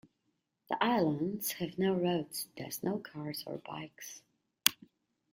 The islands have no roads, thus no cars or bikes.